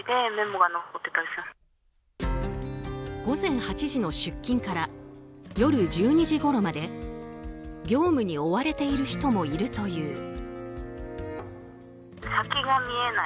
午前８時の出勤から夜１２時ごろまで業務に追われている人もいるという。